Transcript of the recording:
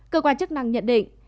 cơ quan chức năng nhận định